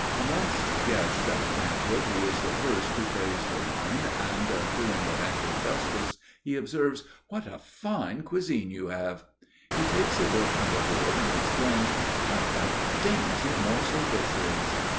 Amongst guests at a banquet he is the first to praise the wine and, doing it ample justice, he observes: "What a fine cuisine you have!" He takes a bit from the board and exclaims: "What a dainty morsel this is!"